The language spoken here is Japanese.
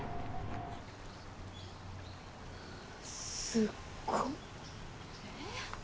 すっご！え？